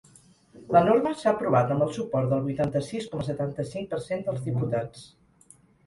La norma s’ha aprovat amb el suport del vuitanta-sis coma setanta-cinc per cent dels diputats.